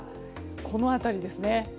この辺りですね。